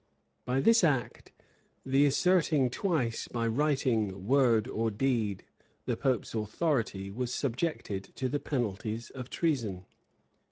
[] By this act, the asserting twice, by writing, word, or deed, the pope's authority, was subjected to the penalties of treason.